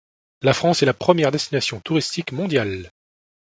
La France est la première destination touristique mondiale.